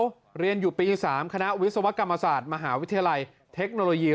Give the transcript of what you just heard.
เขาเรียนอยู่ปี๓คณะวิศวกรรมศาสตร์มหาวิทยาลัยเทคโนโลยี